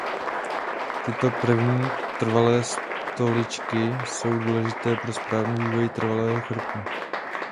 Tyto první trvalé stoličky jsou důležité pro správný vývoj trvalého chrupu.